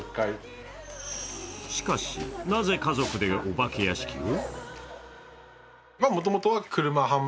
しかし、なぜ家族でお化け屋敷を？